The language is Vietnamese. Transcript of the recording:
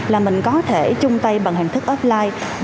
là mình có thể chung tay bằng hình thức offline